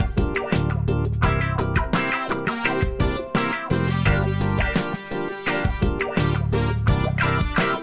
sudah ketemu taslim